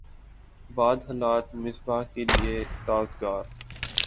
بعد حالات مصباح کے لیے سازگار